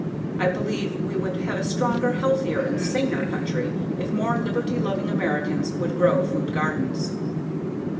I believe we would have a stronger, healthier and saner country if more liberty loving Americans would grow food gardens.